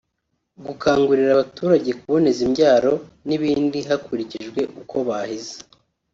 gukangurira abaturage kuboneza imbyaro n’ibindi hakurikijwe uko bahize